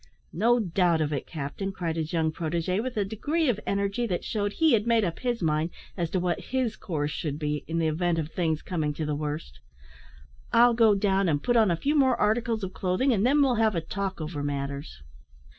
"No doubt of it, captain," cried his young protege with a degree of energy that shewed he had made up his mind as to what his course should be, in the event of things coming to the worst. "I'll go down and put on a few more articles of clothing, and then we'll have a talk over matters."